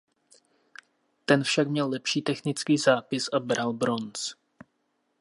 Ten však měl lepší technický zápis a bral bronz.